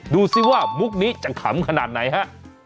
ดูสิว่ามุกนี้จะขำขนาดไหนฮะ